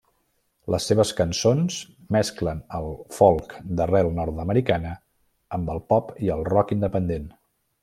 Les seves cançons mesclen el folk d'arrel nord-americana amb el pop i el rock independent.